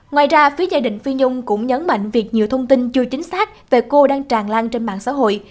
ngoài ra phía gia đình phi nhung cũng nhấn mạnh việc nhiều thông tin chưa chính xác về cô đang tràn lan trên mạng xã hội